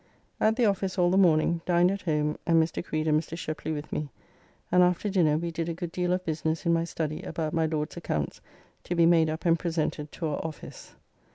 At the office all the morning, dined at home and Mr. Creed and Mr. Shepley with me, and after dinner we did a good deal of business in my study about my Lord's accounts to be made up and presented to our office.